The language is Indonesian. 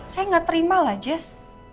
saya nggak terima lah jazz